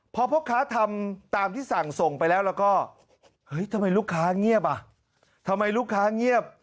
พอพ่อค้าทำตามที่สั่งส่งไปแล้วแล้วก็เฮ้ยทำไมลูกค้าเงียบอ่ะทำไมลูกค้าเงียบ